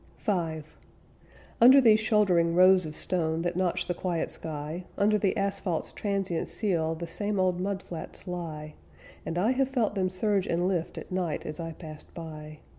V Under these shouldering rows of stone That notch the quiet sky; Under the asphalt's transient seal The same old mud flats lie; And I have felt them surge and lift At night as I passed by.